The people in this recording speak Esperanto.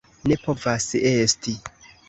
Ne povas esti!